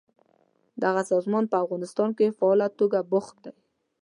دغه سازمان په افغانستان کې فعاله توګه بوخت دی.